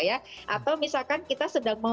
atau misalkan kita sedang